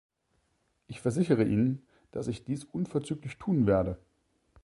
Ich versichere Ihnen, dass ich dies unverzüglich tun werde.